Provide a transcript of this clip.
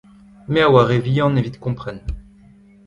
Me a oa re vihan evit kompren.